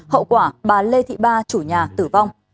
hậu quả bà lê thị ba chủ nhà tử vong